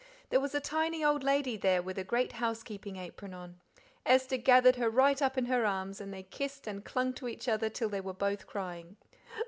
There was a tiny old lady there, with a great housekeeping apron on. Esther gathered her right up in her arms, and they kissed and clung to each other till they were both crying.